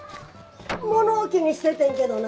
物置にしててんけどな。